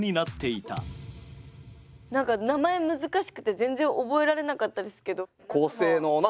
何か名前難しくて全然覚えられなかったですけど。